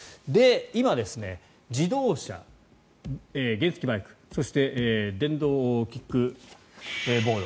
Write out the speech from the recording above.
今、自動車、原付きバイクそして電動キックボード